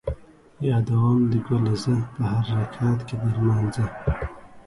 یادوم دې ګله زه ـ په هر رکعت کې د لمانځه